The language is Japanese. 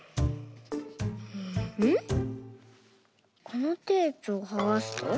このテープをはがすと。